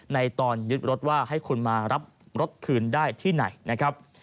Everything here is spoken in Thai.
ตอนยึดรถว่าให้คุณมารับรถคืนได้ที่ไหนนะครับ